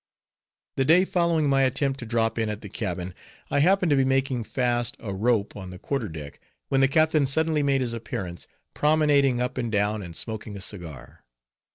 The day following my attempt to drop in at the cabin, I happened to be making fast a rope on the quarter deck, when the captain suddenly made his appearance, promenading up and down, and smoking a cigar.